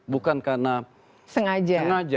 bukan karena sengaja